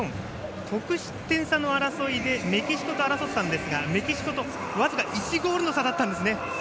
得失点差の争いでメキシコと争ったんですがメキシコと僅か１ゴールの差だったんですね。